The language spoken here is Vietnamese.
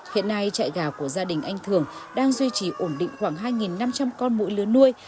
hiện nay trại gà của gia đình anh thường đang duy trì ổn định khoảng hai năm trăm linh con mũi lứa nuôi